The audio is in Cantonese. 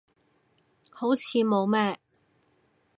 好似冇咩